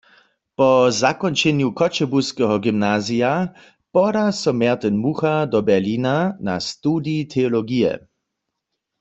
Po zakónčenju Choćebuskeho gymnazija poda so Mjertyn Mucha do Berlina na studij teologije.